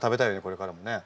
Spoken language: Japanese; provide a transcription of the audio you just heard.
これからもね。